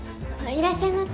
いらっしゃいませ。